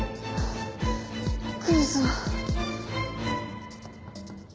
クイズは。